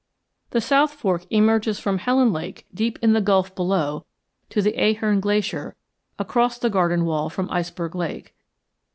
The South Fork emerges from Helen Lake deep in the gulf below the Ahern Glacier across the Garden Wall from Iceberg Lake.